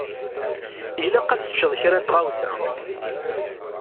Ilaq ad teččeḍ kra n tɣawsa.